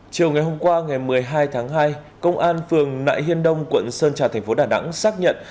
chiều ngày hôm qua ngày một mươi hai tháng hai công an phường nại hiên đông quận sơn trà thành phố đà nẵng xác nhận